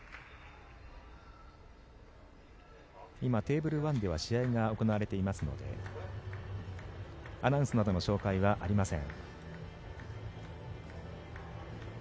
今、テーブル１では試合が行われていますのでアナウンスなどの紹介はありません。